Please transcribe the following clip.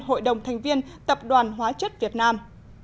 hội đồng thành viên tập đoàn hóa chất việt nam